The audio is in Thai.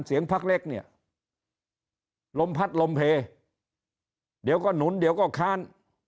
เสียงพักเล็กเนี่ยลมพัดลมเพลเดี๋ยวก็หนุนเดี๋ยวก็ค้าน